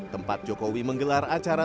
tempat jokowi menggelar acara